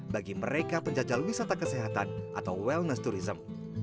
bagi mereka penjajal wisata kesehatan atau wellness tourism